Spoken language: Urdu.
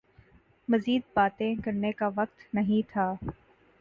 مزید باتیں کرنے کا وقت نہیں تھا